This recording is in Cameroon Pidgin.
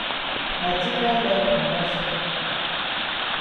Na different level now so.